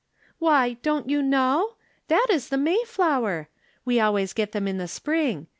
" Why, don't you know ? That is the May flower ! We always get them in the spring.